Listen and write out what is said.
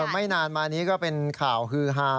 ไม่นานมานี้ก็เป็นข่าวฮือฮา